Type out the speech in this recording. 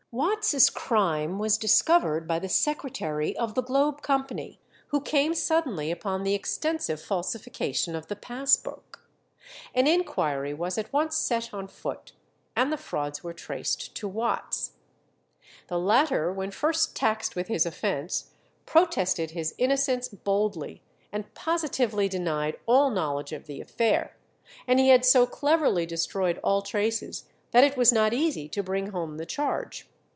Watts's crime was discovered by the secretary of the Globe Company, who came suddenly upon the extensive falsification of the pass book. An inquiry was at once set on foot, and the frauds were traced to Watts. The latter, when first taxed with his offence, protested his innocence boldly, and positively denied all knowledge of the affair; and he had so cleverly destroyed all traces that it was not easy to bring home the charge.